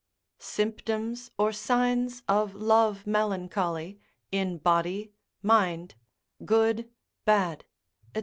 _Symptoms or signs of Love Melancholy, in Body, Mind, good, bad, &c.